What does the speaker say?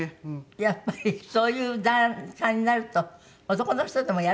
やっぱりそういう感じになると男の人でもやるんですね。